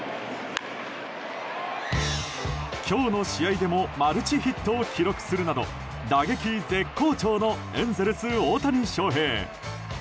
今日の試合でもマルチヒットを記録するなど打撃絶好調のエンゼルス大谷翔平。